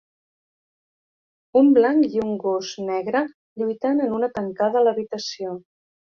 Un blanc i un gos negre lluitant en una tancada a l'habitació.